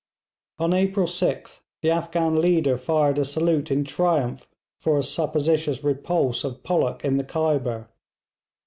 On April 6th the Afghan leader fired a salute in triumph for a supposititious repulse of Pollock in the Khyber.